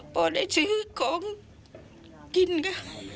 พอได้ซื้อของกินค่ะ